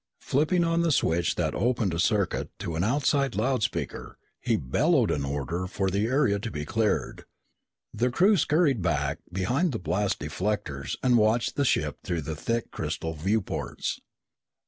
Flipping on the switch that opened a circuit to an outside loud speaker, he bellowed an order for the area to be cleared. The crew scurried back behind the blast deflectors and watched the ship through the thick crystal viewports.